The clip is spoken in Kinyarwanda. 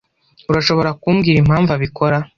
Urashobora kumbwira impamvu abikora?